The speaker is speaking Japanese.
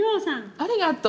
ありがとう！